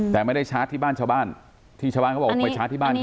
แต่ไม่ได้ชาร์จที่บ้านชาวบ้านที่ชาวบ้านเขาบอกไปชาร์จที่บ้านเขา